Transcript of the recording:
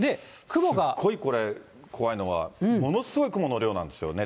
すっごいこれ、怖いのは、ものすごい雲の量なんですよね。